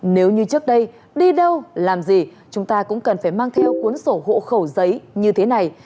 nếu như trước đây đi đâu làm gì chúng ta cũng cần phải mang theo cuốn sổ hộ khẩu giấy như thế này